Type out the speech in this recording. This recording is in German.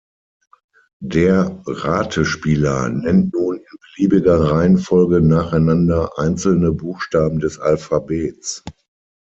Der "Rate-Spieler" nennt nun in beliebiger Reihenfolge nacheinander einzelne Buchstaben des Alphabets.